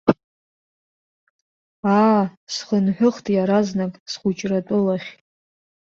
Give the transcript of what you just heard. Аа, схынҳәыхт иаразнак схәыҷра атәылахь!